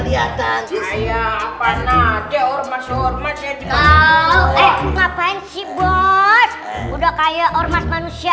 banget lihat lihatan saya apaan aja ormas ormans ya jika ngapain sih bos udah kayak ormas manusia